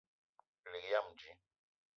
Elig yam dji